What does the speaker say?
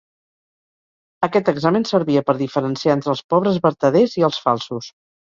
Aquest examen servia per diferenciar entre els pobres vertaders i els falsos.